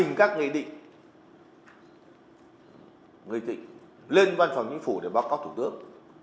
xin các nghị định nghị định lên văn phòng chính phủ để báo cáo thủ tướng